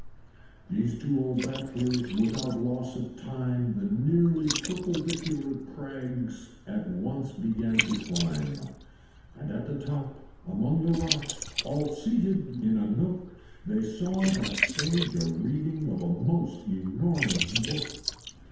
Those two old Bachelors without loss of time The nearly purpledicular crags at once began to climb; And at the top, among the rocks, all seated in a nook, They saw that Sage a reading of a most enormous book.